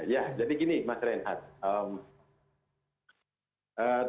ya jadi gini mas teren hart